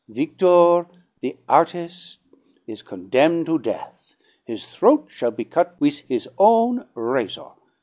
'Victor,' the artis', is condemn' to death; his throat shall be cut with his own razor.